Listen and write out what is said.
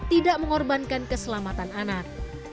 tidak mengorbankan keselamatan anak